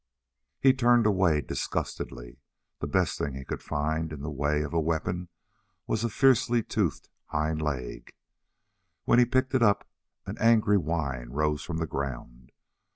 He turned away disgustedly. The best thing he could find in the way of a weapon was a fiercely toothed hind leg. When he picked it up an angry whine rose from the ground.